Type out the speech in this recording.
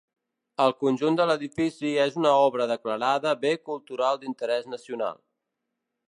El conjunt de l'edifici és una obra declarada bé cultural d'interès nacional.